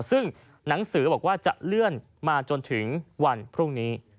ซึ่งหนังสือบอกว่าจะเลื่อนมาจนถึงวันพรุ่งนี้